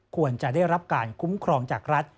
ควรจะได้รับการคุ้มครองจากรัฐ